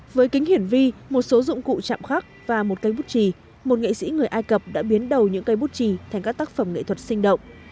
với kính hiển vi một số dụng cụ chạm khắc và một cây bút trì một nghệ sĩ người ai cập đã biến đầu những cây bút trì thành các tác phẩm nghệ thuật sinh động